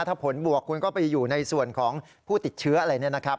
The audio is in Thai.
ถ้าผลบวกคุณก็ไปอยู่ในส่วนของผู้ติดเชื้ออะไรเนี่ยนะครับ